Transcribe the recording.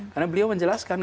karena beliau menjelaskan